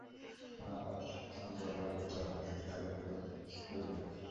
তারা তখন বজ্রাহত হল ও তাদের থেকে তাদের রূহ বের হয়ে পড়ল।